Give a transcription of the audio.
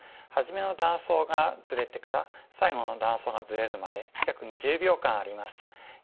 初めの断層がずれてから最後の断層がずれるまで約２０秒間あります。